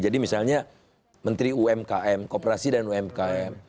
jadi misalnya menteri umkm koperasi dan umkm